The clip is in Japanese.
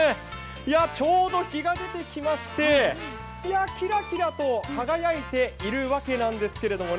ちょうど日が出てきましてキラキラと輝いているわけなんですけどね。